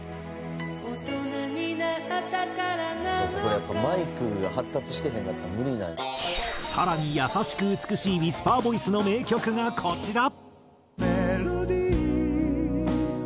「これやっぱマイクが発達してへんかったら無理」更に優しく美しいウィスパーボイスの名曲がこちら。